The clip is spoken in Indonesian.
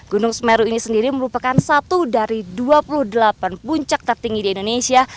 gunung semeru ini sendiri merupakan satu dari dua puluh delapan puncak tertinggi di indonesia